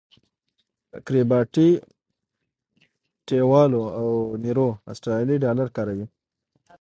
کیریباټی، ټیوالو او نیرو اسټرالیایي ډالر کاروي.